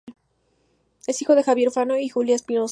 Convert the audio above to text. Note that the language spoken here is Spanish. Es hijo de Javier Fano y Julia Espinoza.